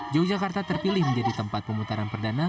yogyakarta terpilih menjadi tempat pemutaran perdana